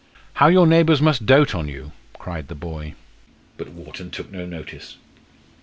"How your neighbours must dote on you!" cried the boy. But Wharton took no notice.